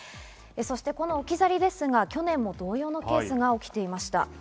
そしてこの置き去りですが、去年も同様のケースが起きていました。